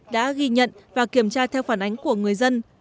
đã ghi nhận và kiểm tra theo phản ánh của người dân